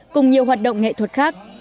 cùng nhiều hoạt động nghệ thuật khác